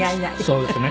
そうですね。